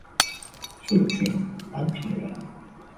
涿郡安平人。